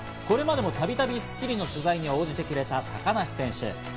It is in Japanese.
これまでもたびたび『スッキリ』の取材に応じてくれた高梨選手。